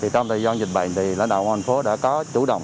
trong thời gian dịch bệnh lãnh đạo công an tp tâm kỳ đã có chủ động